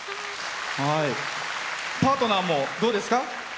パートナーもどうですか？